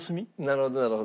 なるほどなるほど。